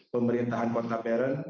pemerintahan kota beren